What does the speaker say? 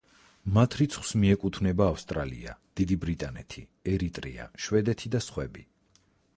მათ რიცხვს მიეკუთვნება ავსტრალია, დიდი ბრიტანეთი, ერიტრეა, შვედეთი და სხვები.